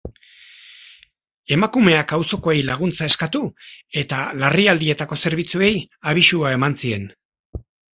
Emakumeak auzokoei laguntza eskatu eta larrialdietako zerbitzuei abisua eman zien.